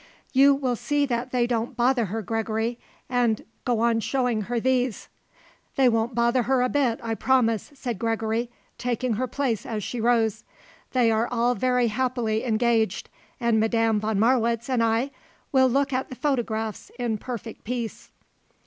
"You will see that they don't bother her, Gregory, and go on showing her these." "They won't bother a bit, I promise," said Gregory, taking her place as she rose. "They are all very happily engaged, and Madame von Marwitz and I will look at the photographs in perfect peace."